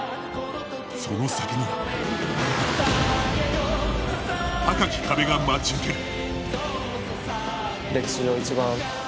その先には高き壁が待ち受ける。